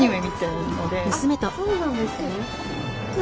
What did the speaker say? あっそうなんですね。